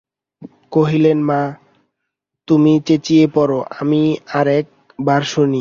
কহিলেন, মা, তুমি চেঁচিয়ে পড়ো, আমি আর-এক বার শুনি।